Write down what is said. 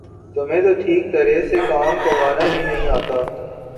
تمہیں تو ٹھیک طرح سے کام کروانا بھی نہیں آتا